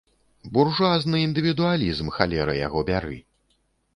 Буржуазны індывідуалізм, халера яго бяры!